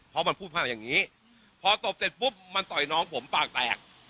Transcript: เพราะมันพูดมากอย่างนี้พอตบเสร็จปุ๊บมันต่อยน้องผมปากแตก